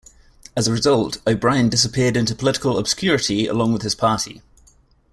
As a result, O'Brien disappeared into political obscurity along with his party.